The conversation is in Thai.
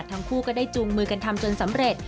ทั้งคู่ก็ได้จูงมือกันทำจนสำเร็จ